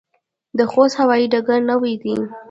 د خوست هوايي ډګر نوی دی